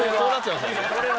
これは。